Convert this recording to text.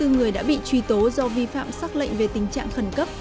năm hai trăm sáu mươi bốn người đã bị truy tố do vi phạm xác lệnh về tình trạng khẩn cấp